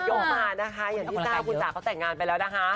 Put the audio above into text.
โยกกามั้นนะคะอันนี้ก็รู้ที่คุณจ้าต่างงานไปแล้ว